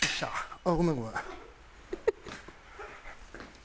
ああごめんごめん。